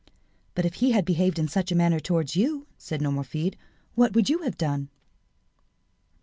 "But if he had behaved in such a manner towards you," said Nomerfide, "what would you have done?"